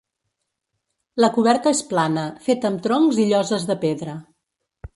La coberta és plana, feta amb troncs i lloses de pedra.